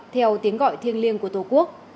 theo tiếng gọi thiêng liêng của tổ quốc